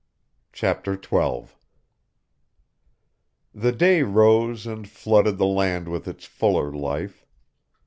Chapter Twelve The day rose and flooded the land with its fuller life.